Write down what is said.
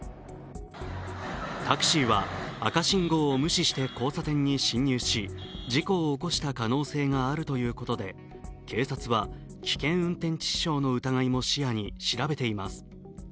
タクシーは赤信号を無視して交差点に進入し事故を起こした可能性があるということで、警察は危険運転致死傷の疑いも視野に調べています。